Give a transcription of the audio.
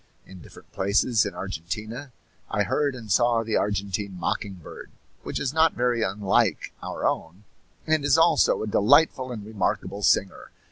In different places in Argentina I heard and saw the Argentine mocking bird, which is not very unlike our own, and is also a delightful and remarkable singer.